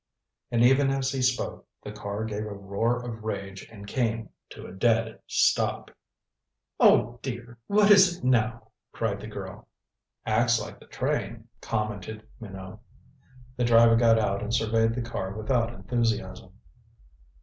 And even as he spoke the car gave a roar of rage and came to a dead stop. "Oh, dear what is it now?" cried the girl. "Acts like the train," commented Minot. The driver got out and surveyed the car without enthusiasm.